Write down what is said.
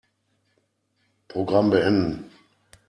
Programm beenden.